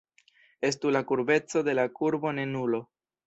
Estu la kurbeco de la kurbo ne nulo.